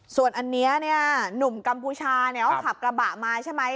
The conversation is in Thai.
ส่วนอันนี้เนี่ยหนุ่มกัมพูชาเขาขับกระบะมาใช่ไหม